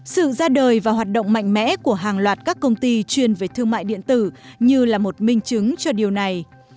sự ra đời và hoạt động mạnh mẽ của hàng loạt các công ty chuyên về thương mại điện tử như là một minh chứng cho điều này